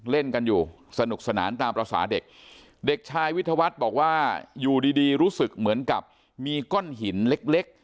เล่นกันอยู่สนุกสนานตามภาษาเด็กเด็กชายวิทยาวัฒน์บอกว่าอยู่ดีดีรู้สึกเหมือนกับมีก้อนหินเล็ก